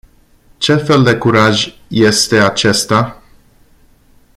Ce fel de curaj este acesta?